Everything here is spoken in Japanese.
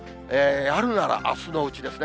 やるならあすのうちですね。